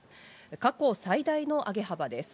過去最大の上げ幅です。